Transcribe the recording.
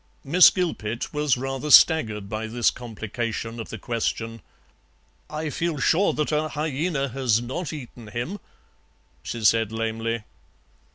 Miss Gilpet was rather staggered by this complication of the question. "I feel sure that a hyaena has not eaten him," she said lamely.